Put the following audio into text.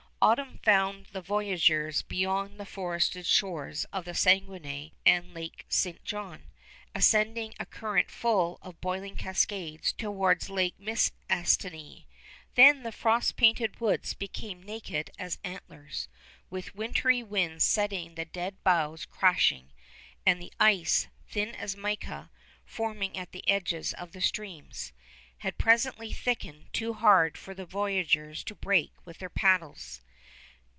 Autumn found the voyageurs beyond the forested shores of the Saguenay and Lake St. John, ascending a current full of boiling cascades towards Lake Mistassini. Then the frost painted woods became naked as antlers, with wintry winds setting the dead boughs crashing; and the ice, thin as mica, forming at the edges of the streams, had presently thickened too hard for the voyageurs to break with their paddles.